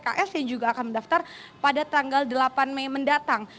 orang orang yang sudah mendaftar pada tanggal delapan mei mendatang